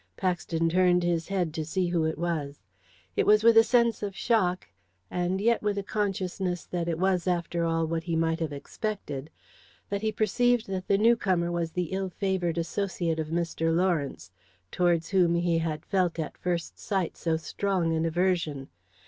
Paxton turned his head to see who it was. It was with a sense of shock, and yet, with a consciousness that it was, after all, what he might have expected, that he perceived that the newcomer was the ill favoured associate of Mr. Lawrence, towards whom he had felt at first sight so strong an aversion.